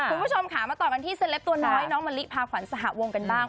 คุณผู้ชมค่ะมาต่อกันที่เซลปตัวน้อยน้องมะลิพาขวัญสหวงกันบ้าง